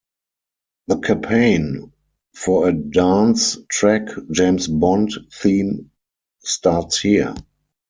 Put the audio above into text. The campaign for a dance track James Bond theme starts here!